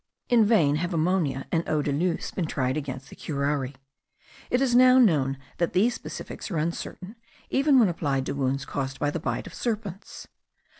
In vain have ammonia and eau de luce been tried against the curare; it is now known that these specifics are uncertain, even when applied to wounds caused by the bite of serpents.